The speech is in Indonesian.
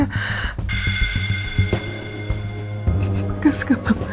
penges ke mama